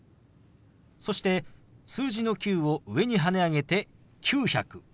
そして数字の「９」を上にはね上げて「９００」。